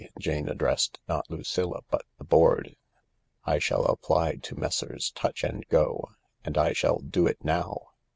Jane addressed not Lucilla but the board. " I shall apply to Messrs. Tutch and Go— and I shall do it now.